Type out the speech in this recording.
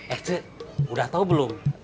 eh cu udah tahu belum